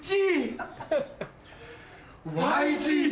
ＹＧ！